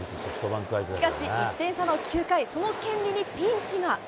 しかし１点差の９回、その権利にピンチが。